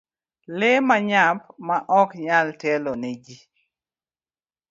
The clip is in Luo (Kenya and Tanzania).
Lee manyap ma ok nyal telo ne ji.